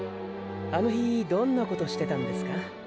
あの日どんなことしてたんですか。